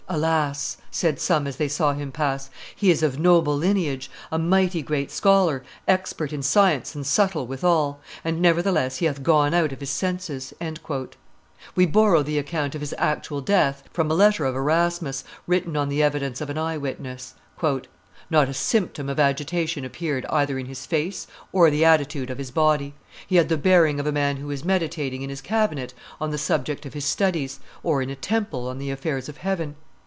"'Alas!' said some as they saw him pass, 'he is of noble lineage, a mighty great scholar, expert in science and subtile withal, and nevertheless he hath gone out of his senses.'" We borrow the account of his actual death from a letter of Erasmus, written on the evidence of an eye witness: "Not a symptom of agitation appeared either in his face or the attitude of his body: he had the bearing of a man who is meditating in his cabinet on the subject of his studies, or in a temple on the affairs of heaven.